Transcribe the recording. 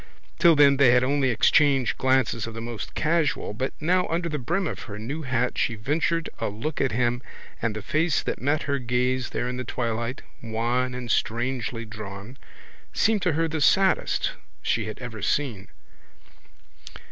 Till then they had only exchanged glances of the most casual but now under the brim of her new hat she ventured a look at him and the face that met her gaze there in the twilight, wan and strangely drawn, seemed to her the saddest she had ever seen.